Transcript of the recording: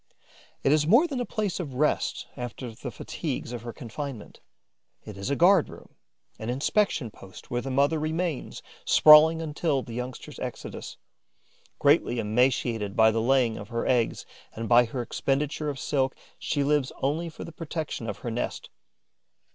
It is more than a place of rest after the fatigues of her confinement: it is a guard room, an inspection post where the mother remains sprawling until the youngsters' exodus. Greatly emaciated by the laying of her eggs and by her expenditure of silk, she lives only for the protection of her nest.